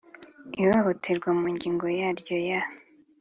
ihohoterwa mu ngingo yaryo ya